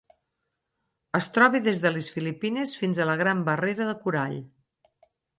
Es troba des de les Filipines fins a la Gran Barrera de Corall.